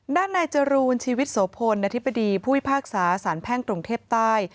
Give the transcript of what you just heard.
ด้านนายจรูนชีวิตโสพลอธิบดีผู้พิพากษาสารแพ่งกรุงเทพใต้